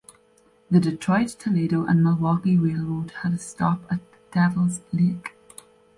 The Detroit, Toledo and Milwaukee Railroad had a stop at Devil's Lake.